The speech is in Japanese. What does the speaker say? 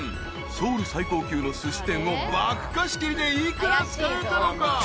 ［ソウル最高級のすし店を爆貸し切りで幾ら使えたのか？］